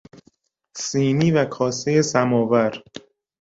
سینی و کاسه سماور